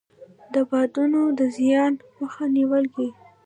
د بادونو د زیان مخه نیول کیږي.